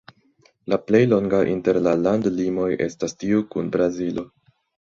La plej longa inter la landlimoj estas tiu kun Brazilo.